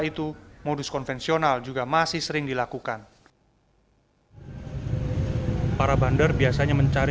tidak ada teman tidak ada apa apa saya sering ngobrol ngobrol saja pak